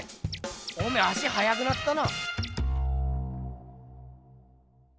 おめえ足はやくなったな。